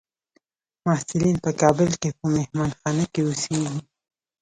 محصلین په کابل کې په مهانخانه کې اوسیږي.